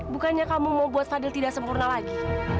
bukannya kamu mau buat fadil tidak sempurna lagi